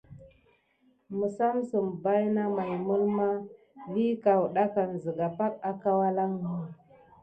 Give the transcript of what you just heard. Məsamsəm baïna may mulma vi kawɗakan zəga pake akawalanmou.